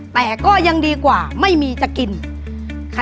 แต่ก็ยังดีกว่าไม่มีจำนวนปลา